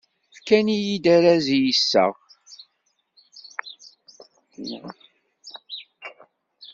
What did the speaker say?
Fkan-iyi-d arraz i yiseɣ.